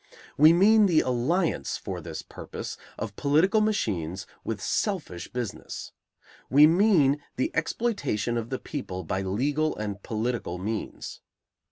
We mean the alliance, for this purpose, of political machines with selfish business. We mean the exploitation of the people by legal and political means.